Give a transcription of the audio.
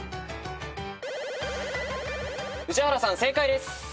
宇治原さん正解です。